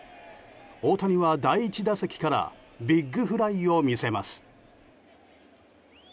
大谷は、第１打席からビッグフライを見せます。